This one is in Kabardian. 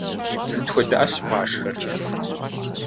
Сыт хуэдэ ӏэщ бгъашхэр?